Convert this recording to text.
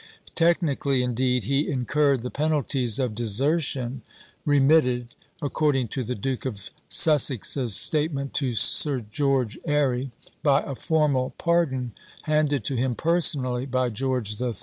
Technically, indeed, he incurred the penalties of desertion, remitted according to the Duke of Sussex's statement to Sir George Airy by a formal pardon handed to him personally by George III.